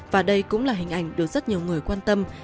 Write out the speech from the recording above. và đây cũng là hình ảnh được rất nhiều người quan tâm